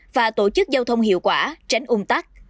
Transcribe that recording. và tổ chức giao thông hiệu quả tránh ung tắc